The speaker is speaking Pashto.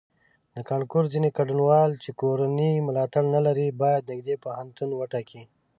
د کانکور ځینې ګډونوال چې کورنی ملاتړ نه لري باید نږدې پوهنتون وټاکي.